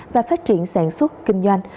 và phát triển sản xuất kinh doanh